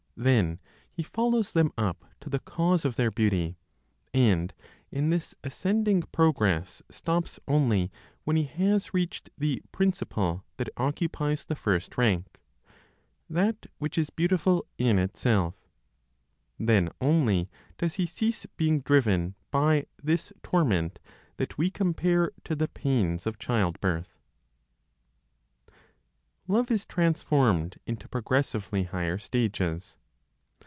Then he follows them up to the cause of their beauty, and in this ascending progress stops only when he has reached the Principle that occupies the first rank, that which is beautiful in itself. Then only does he cease being driven by this torment that we compare to the pains of childbirth. LOVE IS TRANSFORMED INTO PROGRESSIVELY HIGHER STAGES.